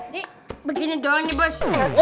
begini doang nih bos